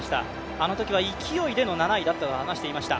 あのときは勢いでの７位だったと話していました。